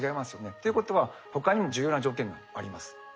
っていうことは他にも重要な条件があります。